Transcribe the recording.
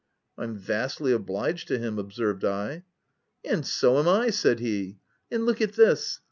"I'm vastly obliged to him," observed I. " And so am I," said he. " And look at this.